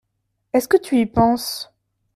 Est-ce que tu y penses ?